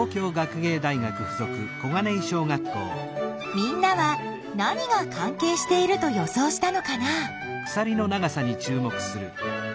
みんなは何が関係していると予想したのかな？